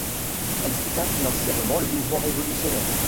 Elle soutient financièrement le mouvement révolutionnaire.